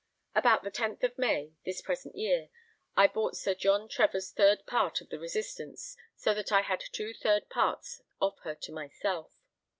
About the 10th of May, this present year, I bought Sir John Trevor's third part of the Resistance, so that I had two third parts of her to myself.